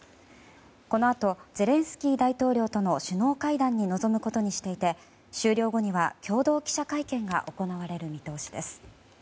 このあとゼレンスキー大統領との首脳会談に臨むことにしていて終了後には共同記者会見が行われる見通しです。